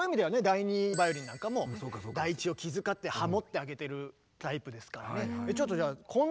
第２バイオリンなんかも第１を気遣ってハモってあげてるタイプですからね。